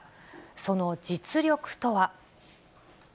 その実力とは。